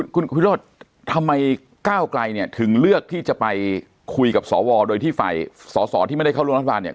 คุณวิโรธทำไมก้าวไกลเนี่ยถึงเลือกที่จะไปคุยกับสวโดยที่ฝ่ายสอสอที่ไม่ได้เข้าร่วมรัฐบาลเนี่ย